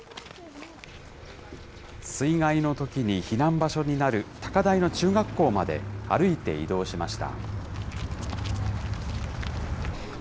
水害のときに避難場所になる高台の中学校まで歩いて移動しました。